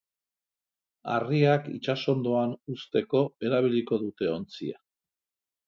Harriak itsas hondoan uzteko erabiliko dute ontzia.